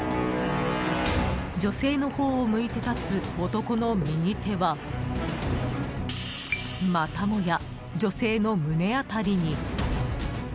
女性のほうを向いて立つ男の右手はまたもや、女性の胸辺りに。